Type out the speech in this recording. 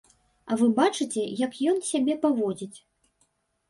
А вы бачыце, як ён сябе паводзіць?